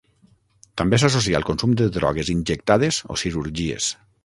També s'associa al consum de drogues injectades o cirurgies.